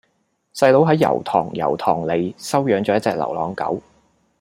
細佬喺油塘油塘里收養左一隻流浪狗